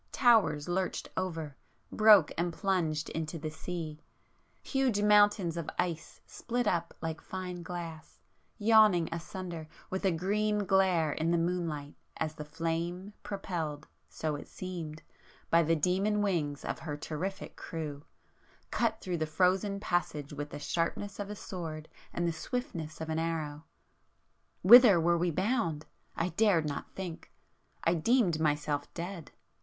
towers lurched over, broke and plunged into the sea,—huge mountains of ice split up like fine glass, yawning asunder with a green glare in the moonlight as the 'Flame' propelled, so it seemed, by the demon wings of her terrific crew, cut through the frozen passage with the sharpness of a sword and the swiftness of an arrow! Whither were we bound? I dared not think,—I deemed myself dead.